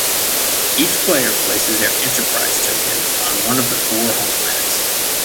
Each player places their "Enterprise" token on one of the four home planets.